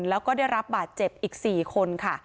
แล้วก็ได้รับบาดเจ็บอีก๔คนค่ะ